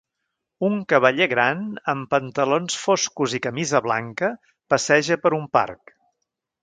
Un cavaller gran amb pantalons foscos i camisa blanca passeja per un parc.